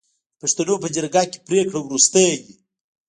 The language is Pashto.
د پښتنو په جرګه کې پریکړه وروستۍ وي.